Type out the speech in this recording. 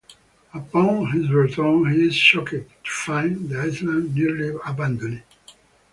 Upon his return, he is shocked to find the island nearly abandoned.